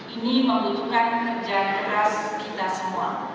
ini membutuhkan kerja keras kita semua